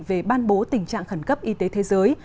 về ban bố tình trạng khẩn cấp y tế thế giới